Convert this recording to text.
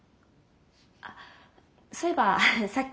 あそういえばさっき。